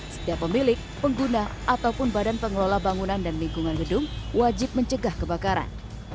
setiap pemilik pengguna ataupun badan pengelola bangunan dan lingkungan gedung wajib mencegah kebakaran